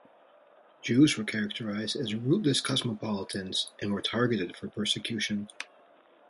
Jews were characterized as rootless cosmopolitans and were targeted for persecution.